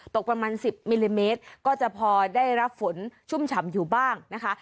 ตกประมาณ๑๐มิลลิเมตรก็จะพอได้รับฝนชุ่มฉ่ำอยู่บ้างนะคะ